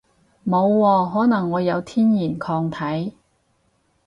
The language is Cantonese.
冇喎，可能我有天然抗體